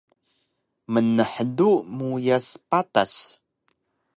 Mnhdu muyas patas